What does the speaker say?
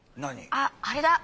ああれだ！